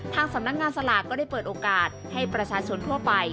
สำนักงานสลากก็ได้เปิดโอกาสให้ประชาชนทั่วไป